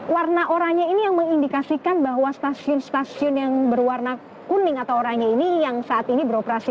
warna oranye ini yang mengindikasikan bahwa stasiun stasiun yang berwarna kuning atau oranya ini yang saat ini beroperasi